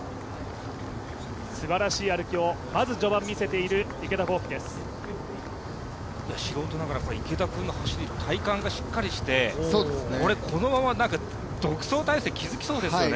すばらしい歩きを序盤見せている素人ながら池田君の走り、体幹がしっかりしていてこれ、このまま独走態勢築きそうですよね。